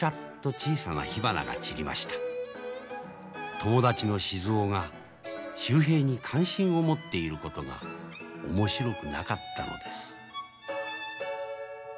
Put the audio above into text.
友達の静尾が秀平に関心を持っていることが面白くなかったのです。